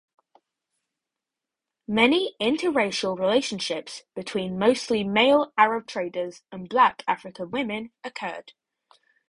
Many interracial relationships between (mostly) male Arab traders and black African women occurred.